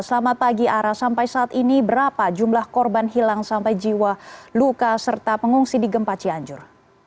selamat pagi ara sampai saat ini berapa jumlah korban hilang sampai jiwa luka serta pengungsi di gempa cianjur